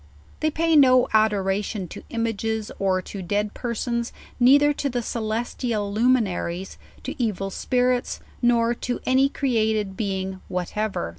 They pay no adoration to images or to dead persons, neither to the celestial luminaries, to evil spirits, nor to any created being whatever.